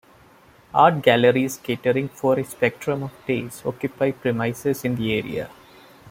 Art galleries catering for a spectrum of tastes occupy premises in the area.